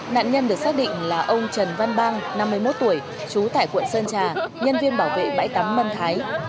nạn nhân được xác định là ông trần văn năm mươi một tuổi trú tại quận sơn trà nhân viên bảo vệ bãi tắm mân thái